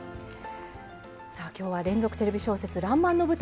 さあ今日は連続テレビ小説「らんまん」の舞台